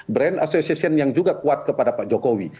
brand association yang juga kuat kepada pak jokowi